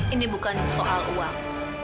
ini bukan soal uang